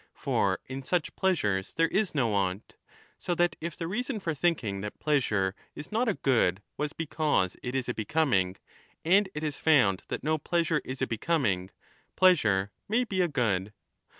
For in such pleasures there is no want. So 5 that if the reason for thinking that pleasure is not a good was because it is a becoming, and it is found that no pleasure is a becoming, pleasure may be a good.